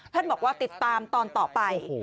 ท่านบอกว่าติดตามตอนต่อไป